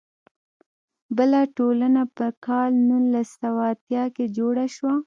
بله ټولنه په کال نولس سوه اتیا کې جوړه شوه.